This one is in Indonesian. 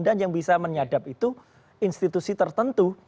dan yang bisa menyadap itu institusi tertentu